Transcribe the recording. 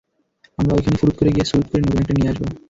আমরা ঐখানে ফুড়ুৎ করে গিয়ে সুড়ুত করে নতুন একটা নিয়ে আসবো।